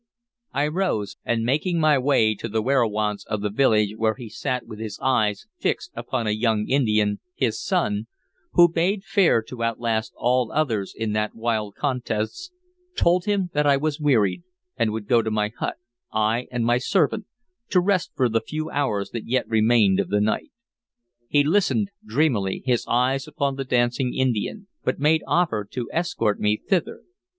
I rose, and making my way to the werowance of the village where he sat with his eyes fixed upon a young Indian, his son, who bade fair to outlast all others in that wild contest, told him that I was wearied and would go to my hut, I and my servant, to rest for the few hours that yet remained of the night. He listened dreamily, his eyes upon the dancing Indian, but made offer to escort me thither.